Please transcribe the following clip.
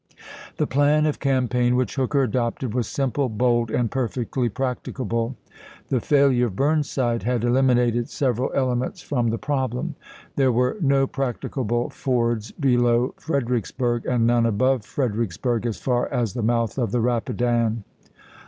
The plan of campaign which Hooker adopted was simple, bold, and perfectly practicable. The fail CHANCELLOESVILLE 91 ure of Burnside had eliminated several elements chap.iv. from the problem. There were no practicable fords below Fredericksburg and none above Fredericks burg as far as the mouth of the Rapidan.